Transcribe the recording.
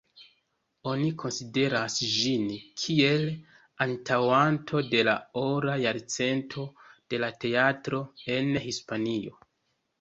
Oni konsideras ĝin kiel antaŭanto de la ora jarcento de la teatro en Hispanio.